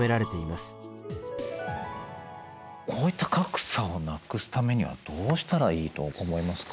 こういった格差をなくすためにはどうしたらいいと思いますか？